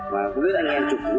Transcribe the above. và cũng biết anh em chụp lúc nào